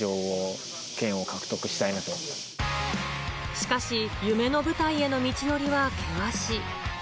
しかし、夢の舞台への道のりは険しい。